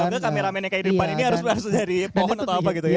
atau nggak kameramen yang kayak di depan ini harus jadi pohon atau apa gitu ya